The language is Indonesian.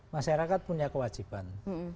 masyarakat punya kewajiban